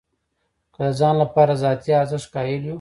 که د ځان لپاره ذاتي ارزښت قایل یو.